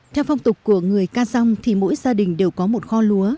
theo phong tục của người ca giong thì mỗi gia đình đều có một kho lúa